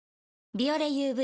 「ビオレＵＶ」